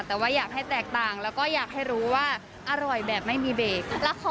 แต่ว่าอยากให้แตกต่างแล้วก็อยากให้รู้ว่าอร่อยแบบไม่มีเบรก